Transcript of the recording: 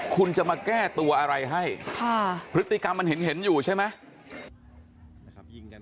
คุณจะมาแก้ตัวอะไรให้พฤติกรรมมันเห็นอยู่ใช่ไหม